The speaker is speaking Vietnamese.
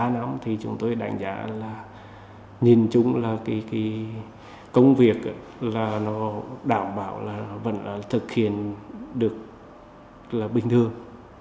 ba năm chúng tôi đánh giá là công việc đảm bảo thực hiện được bình thường